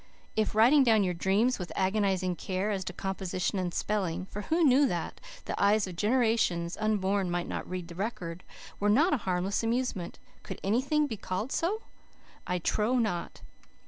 If writing down your dreams, with agonizing care as to composition and spelling for who knew that the eyes of generations unborn might not read the record? were not a harmless amusement, could anything be called so? I trow not.